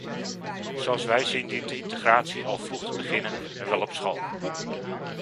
Zoals wij zien dient de integratie al vroeg te beginnen en wel op school.